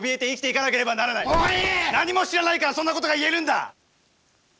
何も知らないからそんな事が言えるんだ！